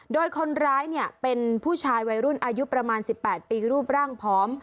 โดยคนร้ายเนี่ยเป็นผู้ชายวัยรุ่นอายุประมาณสิบแปดปีรูปร่างพร้อม